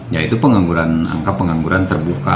ya itu pengangguran angka pengangguran terbuka